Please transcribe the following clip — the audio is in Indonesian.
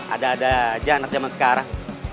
ada ada aja anak zaman sekarang